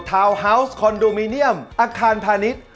วนฮาวส์คอนโดมิเนียมอาคารพาณิชย์